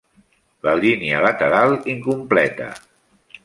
La línia lateral incompleta.